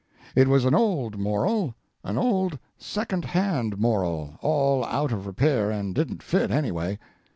It was an old moral, an old second hand moral, all out of repair, and didn't fit, anyway.